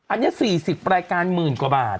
อันนี้๔๐ปรายการ๑๐๐๐๐กว่าบาท